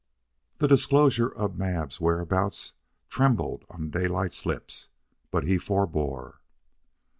The disclosure of Mab's whereabouts trembled on Daylight's lips, but he forbore.